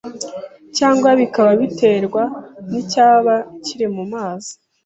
cyangwa bikaba biterwa n'icyaba kiri mu mazi